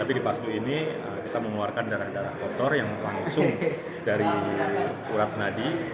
tapi di pasdo ini kita mengeluarkan darah darah kotor yang langsung dari urat nadi